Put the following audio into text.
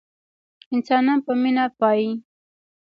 انسانان په مينه پايي